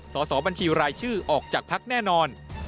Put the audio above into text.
สอบบัญชีรายชื่อออกจากพักแน่นอน